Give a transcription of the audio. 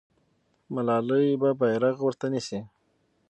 ملالۍ به بیرغ ورته نیسي.